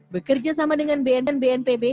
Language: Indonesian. bekerja sama dengan bnpb dan bnpb